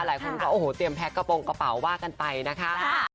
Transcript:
หลายคนก็โอ้โหเตรียมแพ็กกระโปรงกระเป๋าว่ากันไปนะคะ